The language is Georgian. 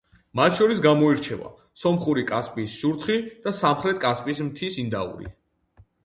მათ შორის გამოირჩევა: სომხური კასპიის შურთხი და სამხრეთ კასპიის მთის ინდაური.